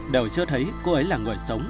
đều chưa thấy cô ấy là người sống